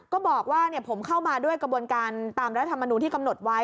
ก็บอกว่าผมเข้ามาด้วยกระบวนการตามรัฐมนูลที่กำหนดไว้